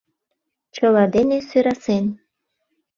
Чыла дене сӧрасен.